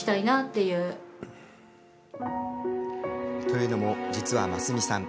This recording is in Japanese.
というのも実は真澄さん